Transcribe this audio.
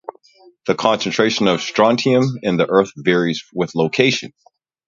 The concentration of strontium in the earth varies with location.